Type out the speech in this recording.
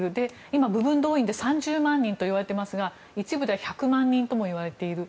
今、部分動員で３０万人といわれていますが一部では１００万人ともいわれている。